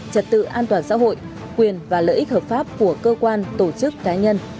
trật tự an toàn xã hội quyền và lợi ích hợp pháp của cơ quan tổ chức cá nhân